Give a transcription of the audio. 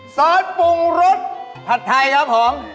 ซอสปรุงรสผัดไทยครับผม